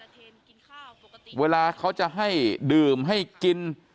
ส่วนตัวเชื่อว่าไฟ่น่าจะโดนมอมยาในงานซึ่งปกติเนี่ยเวลาเขาจะให้ดื่มให้กิน